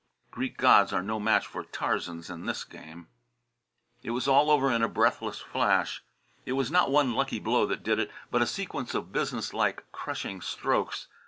Greek gods are no match for Tarzans in this game. It was all over in a breathless flash. It was not one lucky blow that did it, but a sequence of business like crushing strokes.